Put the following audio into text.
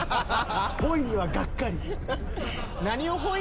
「ほいにはがっかり」